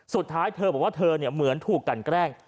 สุดท้ายเธอบอกว่าเธอเหมือนถูกกันแกล้ง